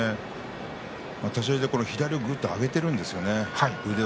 立ち合いで左をぐっと上げているんですね。